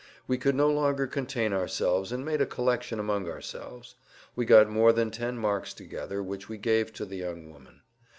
We could no longer contain ourselves and made a collection among ourselves. We got more than ten marks together which we gave to the young woman.